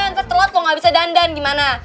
ntar telat lo gak bisa dandan gimana